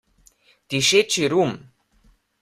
Dišeči rum!